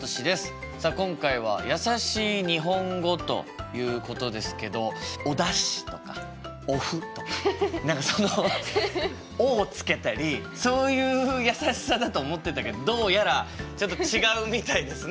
さあ今回はやさしい日本語ということですけどおだしとかお麩とか何かその「お」をつけたりそういうやさしさだと思ってたけどどうやらちょっと違うみたいですね。